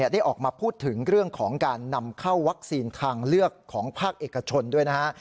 ได้ออกมาพูดถึงเรื่องของการนำเข้าวัคซีนทางเลือกของภาคเอกชนด้วยนะฮะ